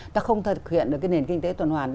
ta không thực hiện được cái nền kinh tế tuần hoàn